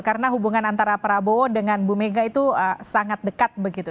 karena hubungan antara prabowo dengan bu mega itu sangat dekat begitu